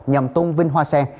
nhằm tôn vinh hoa sen